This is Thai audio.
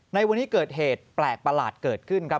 ในวันนี้เกิดเหตุแปลกประหลาดเกิดขึ้นครับ